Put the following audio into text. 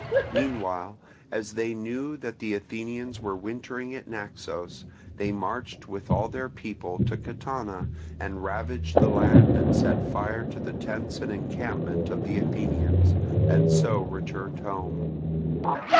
Meanwhile, as they knew that the Athenians were wintering at Naxos, they marched with all their people to Catana, and ravaged the land and set fire to the tents and encampment of the Athenians, and so returned home.